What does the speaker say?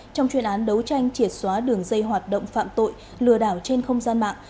trong chuyên án đấu tranh triệt xóa đường dây hoạt động phạm tội lừa đảo trên không gian mạng